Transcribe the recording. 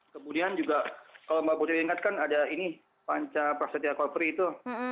kemudian juga kalau mbak putri ingatkan ada ini panca prasetya kopri itu